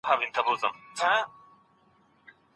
وليمه د کومو مشروعو او مستحبو کړنو څخه شمېرل کېږي؟